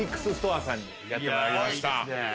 ’ＳＳＴＯＲＥさんにやってまいりました。